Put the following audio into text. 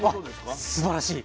あすばらしい。